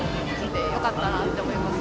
よかったなって思います。